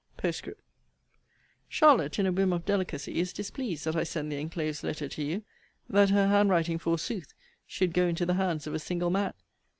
POSTSCRIPT Charlotte, in a whim of delicacy, is displeased that I send the enclosed letter to you that her handwriting, forsooth! should go into the hands of a single man!